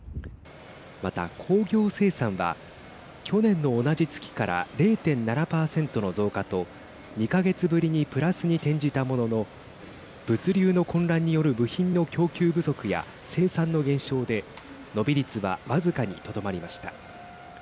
また、工業生産は去年の同じ月から０．７％の増加と２か月ぶりにプラスに転じたものの物流の混乱による部品の供給不足や生産の減少で伸び率は僅かにとどまりました。